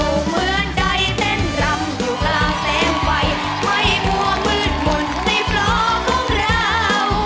เหมือนใดเต้นรำอยู่กลางแสงไฟไม่มั่วมืดมนต์ในโปรของเรา